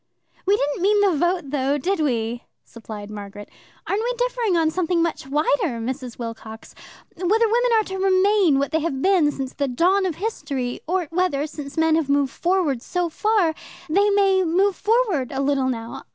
"We didn't mean the vote, though, did we?" supplied Margaret. "Aren't we differing on something much wider, Mrs. Wilcox? Whether women are to remain what they have been since the dawn of history; or whether, since men have moved forward so far, they too may move forward a little now.